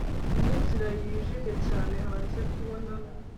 ninzira yijimye cyane hanze kubona